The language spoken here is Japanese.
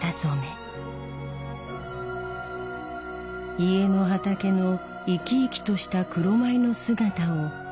家の畑の生き生きとした黒米の姿を表現しました。